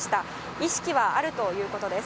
意識はあるということです。